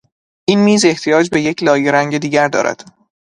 این میز احتیاج به یک لایه رنگ دیگر دارد.